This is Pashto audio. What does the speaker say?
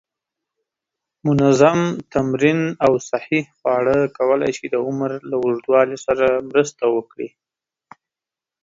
منظم تمرین او صحی خواړه کولی شي د عمر له اوږدوالي سره مرسته وکړي.